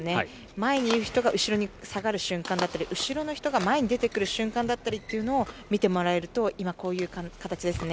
前にいる人が後ろに下がる瞬間だったり後ろの人が前に出てくる瞬間だったりっていうのを見てもらえると今、こういう形ですね。